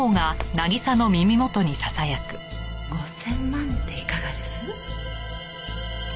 ５０００万でいかがです？